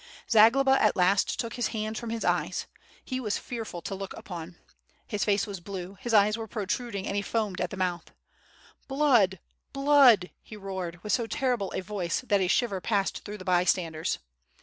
Zagloba at last took his hands from his eyes. He was fear ful to look upon. His face was blue, his eyes were protruding and he foamed at the mouth. "Blood! blood!" he roared, with so terrible a voice, that a shiver passed through the bystanders.